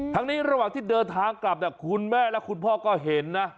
ทั้งนี้ระหว่างที่เดินทางกลับคุณแม่และคุณพ่อก็เห็นนะ